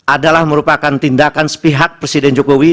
adalah merupakan tindakan sepihak presiden jokowi